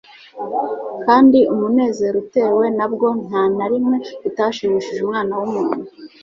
kandi umunezero utewe nabwo nta na rimwe utashimishije Umwana w'umuntu.